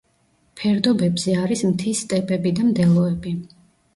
ფერდობებზე არის მთის სტეპები და მდელოები.